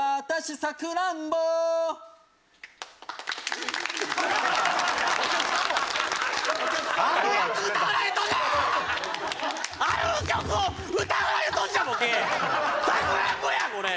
『さくらんぼ』やこれ！